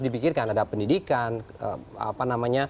dipikirkan ada pendidikan